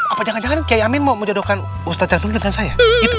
apa jangan jangan kiai amin mau menjodohkan ustazah nulul dengan saya